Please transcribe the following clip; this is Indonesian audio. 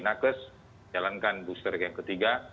nakes jalankan booster yang ketiga